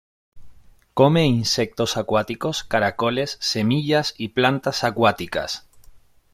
Come insectos acuáticos, caracoles, semillas y plantas acuáticas.